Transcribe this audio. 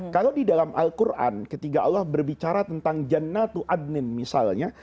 kalau di dalam al quran ketika allah berbicara tentang jannatu adnin misalnya